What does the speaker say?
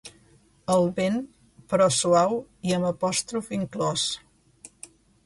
El vent, però suau i amb apòstrof inclòs.